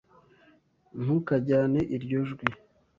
Ntukajyane iryo jwi.